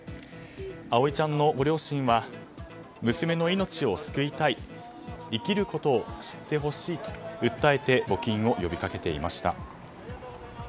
葵ちゃんのご両親は娘の命を救いたい生きることを知ってほしいと訴えて募金を呼び掛けていました。